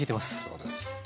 そうです。